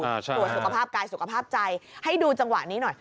ตรวจสุขภาพกายสุขภาพใจให้ดูจังหวะนี้หน่อย